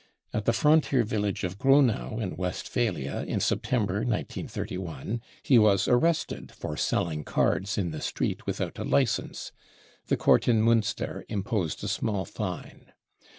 At the frontier village of Gronau in Westphalia, in September 1931, he was*arrested for selling cards in the street without a licence;* the court in Munster imposed a small fine.